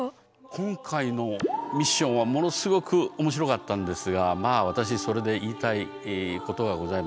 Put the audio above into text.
今回のミッションはものすごく面白かったんですがまあ私それで言いたいことがございます。